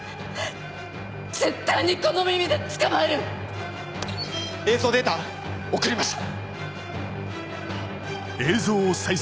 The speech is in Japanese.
絶対にこの耳で捕まえる！映像データ送りました。